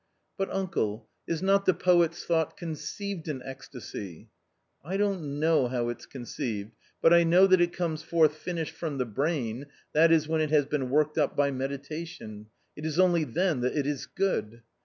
"But, uncle, is not the poet's thought conceived in ecstasy ?" "I don't know how it's conceived, but I know that it comes forth finished from the brain, that is when it has been worked up by meditation : it is only then that it is good.